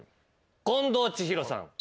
近藤千尋さん。